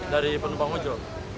dari penumpang ojol